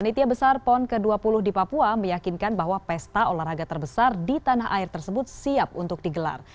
panitia besar pon ke dua puluh di papua meyakinkan bahwa pesta olahraga terbesar di tanah air tersebut siap untuk digelar